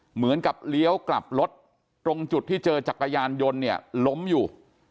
เหมือนกับเลี้ยวกลับรถตรงจุดที่เจอจักรยานยนต์เนี่ยล้มอยู่